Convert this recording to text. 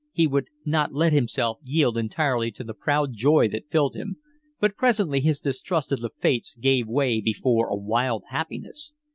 He would not let himself yield entirely to the proud joy that filled him; but presently his distrust of the fates gave way before a wild happiness.